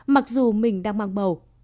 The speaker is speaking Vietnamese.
mặc dù mình đang mang bầu